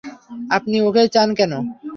আপনি ওকেই চান কেন?